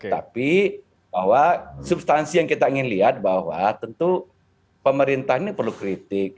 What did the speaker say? tapi bahwa substansi yang kita ingin lihat bahwa tentu pemerintah ini perlu kritik